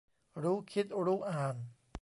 รู้คิดรู้อ่าน